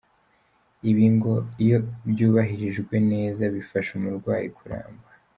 Ibi ngo iyo byubahirijwe neza bifasha umurwayi kuramba.